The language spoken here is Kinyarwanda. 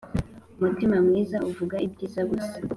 umutima mwiza uvuga ibyiza gusa